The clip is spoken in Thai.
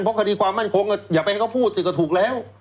เพราะคดีความมั่นคงอย่าไปให้เขาพูดสิก็ถูกแล้ว